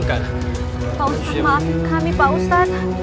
pak ustadz maafin kami pak ustadz